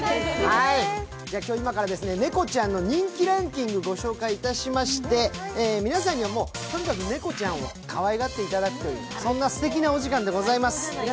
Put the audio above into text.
今日今から猫ちゃんの人気ランキングご紹介いたしまして皆さんには、とにかく猫ちゃんをかわいがっていただくというそんなすてきなお時間でございます。